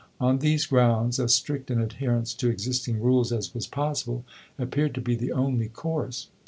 On these grounds, as strict an adherence to existing rules as was possible appeared to be the only course....